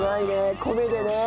米でね。